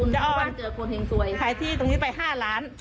จริงซะ